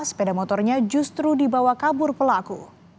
sepeda motornya justru dibawa kabur pelaku